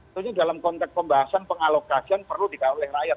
tentunya dalam konteks pembahasan pengalokasian perlu dikawal oleh rakyat